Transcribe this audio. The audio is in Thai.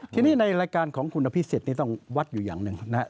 ทีนี้ในรายการของคุณอภิษฎนี่ต้องวัดอยู่อย่างหนึ่งนะครับ